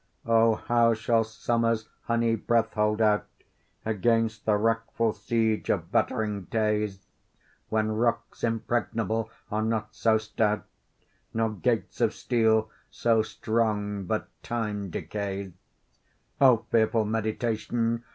O! how shall summer's honey breath hold out, Against the wrackful siege of battering days, When rocks impregnable are not so stout, Nor gates of steel so strong but Time decays? O fearful meditation!